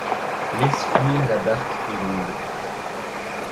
Laisse fuir la barque et l'onde !